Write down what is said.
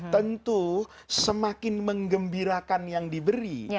tentu semakin mengembirakan yang diberi